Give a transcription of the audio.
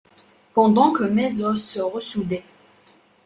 Pendant que mes os se ressoudaient.